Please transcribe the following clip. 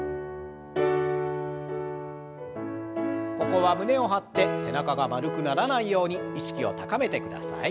ここは胸を張って背中が丸くならないように意識を高めてください。